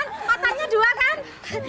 ota nya dua kan